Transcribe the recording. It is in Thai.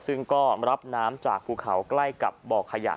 ซึ่งก็รับน้ำจากภูเขาใกล้กับบ่อขยะ